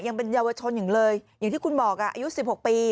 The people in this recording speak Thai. ยังเป็นเยาวชนอย่างเลยอย่างที่คุณบอกอ่าอายุสิบหกปี